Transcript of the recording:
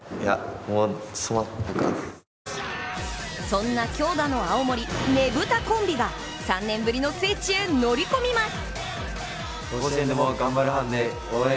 そんな強打の青森ねぶたコンビが３年ぶりの聖地へ乗り込みます。